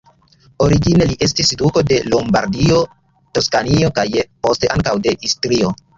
Origine, li estis duko de Lombardio, Toskanio kaj, poste, ankaŭ de Istrio.